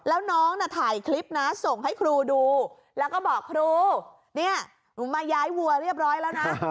แล้วน้องน่ะถ่ายคลิปนะส่งให้ครูดูแล้วก็บอกครูเนี่ยหนูมาย้ายวัวเรียบร้อยแล้วนะ